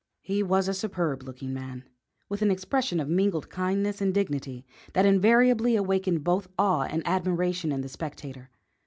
He was a superb looking man, with an expression of mingled kindness and dignity that invariably awakened both awe and admiration in the spectator.